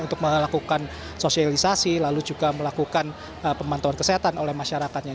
untuk melakukan sosialisasi lalu juga melakukan pemantauan kesehatan oleh masyarakatnya